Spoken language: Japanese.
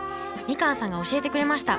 みかんさんが教えてくれました。